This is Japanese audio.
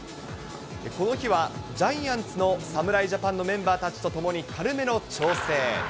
この日はジャイアンツの侍ジャパンのメンバーたちと共に軽めの調整。